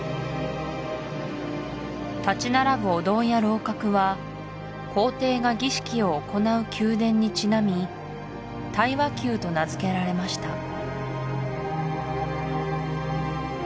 立ち並ぶお堂や楼閣は皇帝が儀式を行う宮殿にちなみ太和宮と名づけられました